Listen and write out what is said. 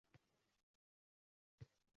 Nachora, taqdir